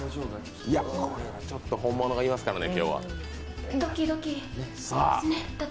これはちょっと本物がいますからね。